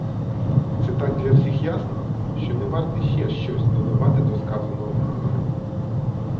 Це так для всіх ясно, що не варт іще щось додавати до сказаного мною.